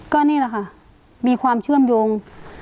ก็นี่แหละค่ะมีความเชื่อมโยง